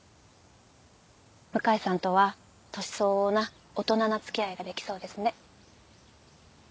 向井さんとは年相応な大人な付き合いができそうですね。